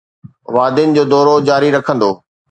وادين جو دورو جاري رکندو